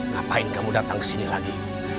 ngapain kamu datang ke sini lagi